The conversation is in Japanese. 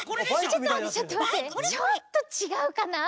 ちょっとちがうかな。